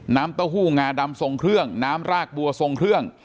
เต้าหู้งาดำทรงเครื่องน้ำรากบัวทรงเครื่อง